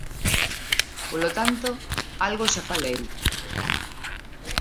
Polo tanto, algo xa falei.